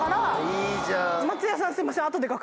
いいじゃん。